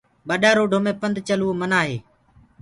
ٻڏآ روڊو مي پنڌ چلوو منآ هي۔